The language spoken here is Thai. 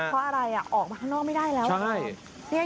เพราะอะไรออกมาข้างนอกไม่ได้แล้ว